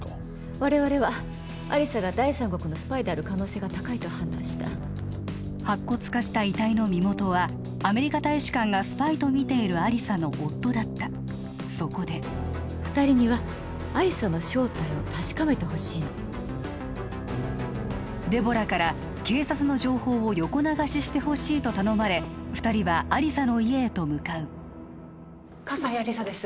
我々は亜理紗が第三国のスパイである可能性が高いと判断した白骨化した遺体の身元はアメリカ大使館がスパイとみている亜理紗の夫だったそこで二人には亜理紗の正体を確かめてほしいのデボラから警察の情報を横流ししてほしいと頼まれ二人は亜理紗の家へと向かう葛西亜理紗です